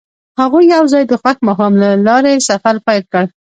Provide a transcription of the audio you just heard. هغوی یوځای د خوښ ماښام له لارې سفر پیل کړ.